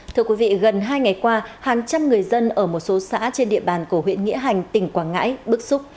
thưa quý vị gần hai ngày qua hàng trăm người dân ở một số xã trên địa bàn của huyện nghĩa hành tỉnh quảng ngãi bức xúc